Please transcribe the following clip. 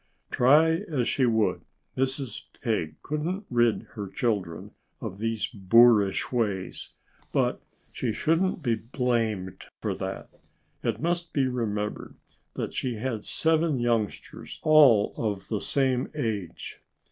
Try as she would, Mrs. Pig couldn't rid her children of these boorish ways. But she shouldn't be blamed for that. It must be remembered that she had seven youngsters, all of the same age.